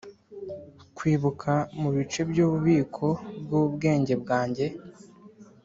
kwibuka mubice byububiko bwubwenge bwanjye